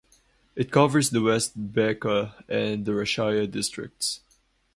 It covers the West Bekaa and the Rashaya districts.